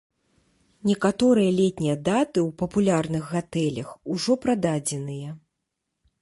Некаторыя летнія даты ў папулярных гатэлях ужо прададзеныя.